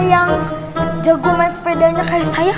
yang jago main sepedanya kayak saya